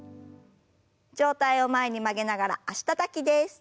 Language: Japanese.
上体を前に曲げながら脚たたきです。